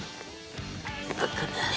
開かない。